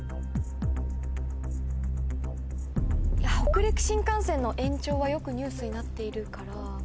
北陸新幹線の延長はよくニュースになっているから。